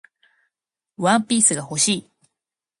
ワンピースが欲しい